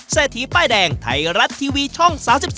เศรษฐีป้ายแดงไทยรัฐทีวีช่อง๓๒